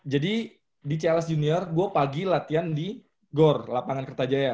jadi di cls junior gue pagi latihan di gor lapangan kertajaya